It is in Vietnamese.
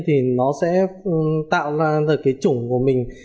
thì nó sẽ tạo ra cái chủng của mình